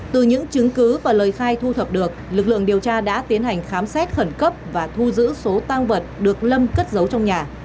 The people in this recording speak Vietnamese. từ những chứng cứ và lời khai thu thập được lực lượng điều tra đã tiến hành khám xét khẩn cấp và thu giữ số tăng vật được lâm cất giấu trong nhà